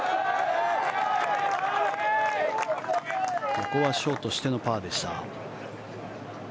ここはショートしてのパーでした。